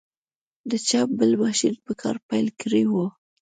د چاپ بل ماشین په کار پیل کړی و.